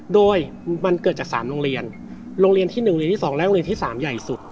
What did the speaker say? โดยมันเกิดจาก๓โรงเรียนโรงเรียนที่๑เรียนที่๒และโรงเรียนที่๓ใหญ่สุด